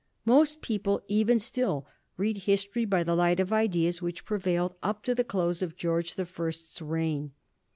Most people, even still, read history by the light of ideas which prevailed up to the close of Greorge the First's reign.